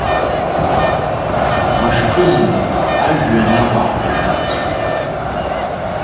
Мышкызны ажәҩан акәа ҳҭашәарц.